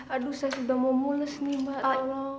aduh saya sudah mau mules nih mbak tolong